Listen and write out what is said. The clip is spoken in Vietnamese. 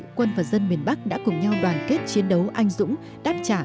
dù vậy quân và dân miền bắc đã cùng nhau đoàn kết chiến đấu anh dũng đáp trả